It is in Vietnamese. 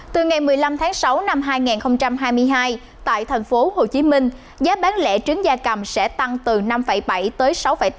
từ ngày một mươi năm tháng sáu năm hai nghìn hai mươi hai tại thành phố hồ chí minh giá bán lẻ trứng gia cầm sẽ tăng từ năm bảy tới sáu tám